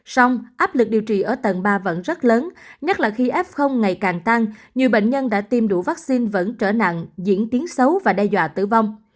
sông áp lực điều trị ở tầng ba vẫn rất lớn nhất là khi f ngày càng tăng nhiều bệnh nhân đã tiêm đủ vaccine vẫn trở nặng diễn tiến xấu và đe dọa tử vong